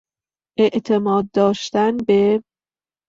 اعتماد داشتن به